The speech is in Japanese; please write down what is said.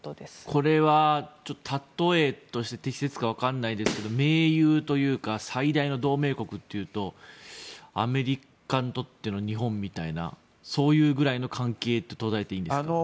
これは例えとして適切か分からないですけれども盟友というか最大の同盟国というとアメリカにとっての日本みたいなそういうぐらいの関係と捉えてよろしいでしょうか。